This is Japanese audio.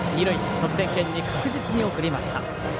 得点圏に確実に送りました。